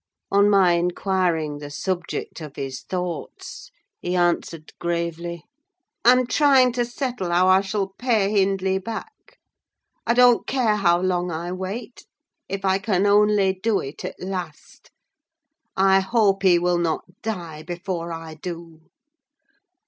On my inquiring the subject of his thoughts, he answered gravely—"I'm trying to settle how I shall pay Hindley back. I don't care how long I wait, if I can only do it at last. I hope he will not die before I do!"